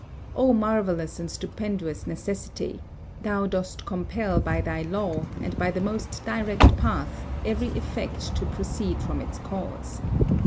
O marvellous and stupendous necessity! thou dost compel by thy law, and by the most direct path, every effect to proceed from its cause.